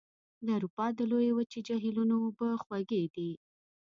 د اروپا د لویې وچې جهیلونو اوبه خوږې دي.